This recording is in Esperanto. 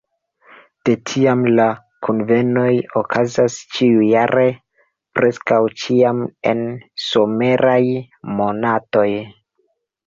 De tiam la kunvenoj okazas ĉiujare, preskaŭ ĉiam en someraj monatoj.